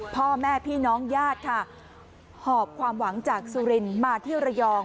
พ่อแม่พี่น้องญาติค่ะหอบความหวังจากสุรินมาที่ระยอง